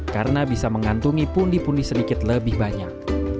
karena bisa mengantungi pundi pundi sedikit lebih banyak